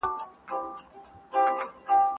د مصر او عراق په پرتله زموږ حالت ښه دی.